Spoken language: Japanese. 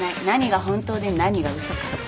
何が本当で何が嘘か。